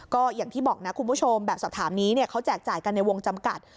ก็อย่างที่บอกนะคุณผู้ชมแบบสอบถามนี้เขาแจกจ่ายกันในวงจำกัด